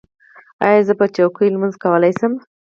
ایا زه په چوکۍ لمونځ کولی شم؟